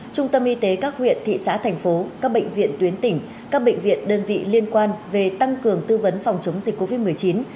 trung tâm y tế các huyện thị xã thành phố các bệnh viện tuyến tỉnh các bệnh viện đơn vị liên quan về tăng cường tư vấn phòng chống dịch covid một mươi chín